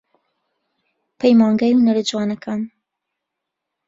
پەیمانگەی هونەرە جوانەکان